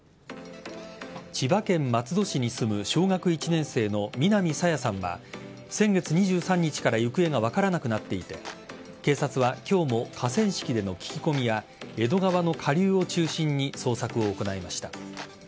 千葉県松戸市に住む小学１年生の南朝芽さんは先月２３日から行方が分からなくなっていて警察は今日も河川敷での聞き込みや江戸川の下流を中心に捜索を行いました。